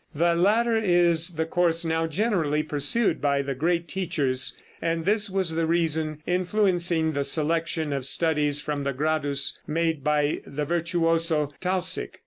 The latter is the course now generally pursued by the great teachers, and this was the reason influencing the selection of studies from the "Gradus" made by the virtuoso, Tausig.